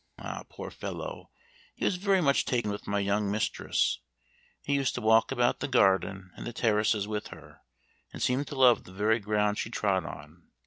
Ah! poor fellow! He was very much taken with my young mistress; he used to walk about the garden and the terraces with her, and seemed to love the very ground she trod on.